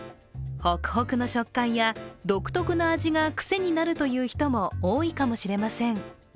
ほくほくの食感や独特の味が癖になるという人も多いかもしれません。